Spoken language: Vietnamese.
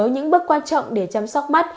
những bước quan trọng để chăm sóc mắt